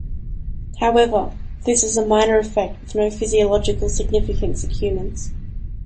However, this is a minor effect with no physiological significance in humans.